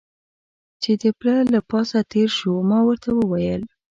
چې د پله له پاسه تېر شو، ما ورته وویل.